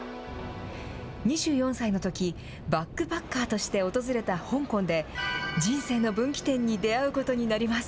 ２４歳のとき、バックパッカーとして訪れた香港で、人生の分岐点に出会うことになります。